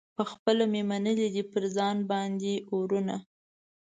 پخپله مي منلي دي پر ځان باندي اورونه